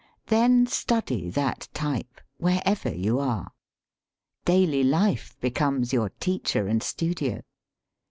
Then study that type, wherever you are. Daily life becomes \Your teacher and studio.